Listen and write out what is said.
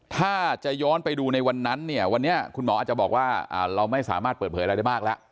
ถ้าจะย้อนไปดูในวันนั้นเนี่ยวันนี้คุณหมออาจจะบอกว่าเราไม่สามารถเปิดเผยอะไรได้มากแล้ว